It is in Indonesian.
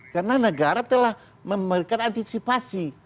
karena negara telah memberikan antisipasi